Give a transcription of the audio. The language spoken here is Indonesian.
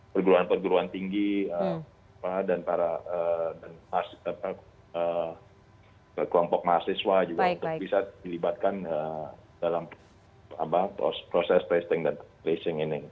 perguruan perguruan tinggi dan para kelompok mahasiswa juga bisa dilibatkan dalam proses tracing ini